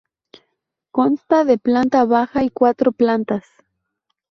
Consta de planta baja y cuatro plantas.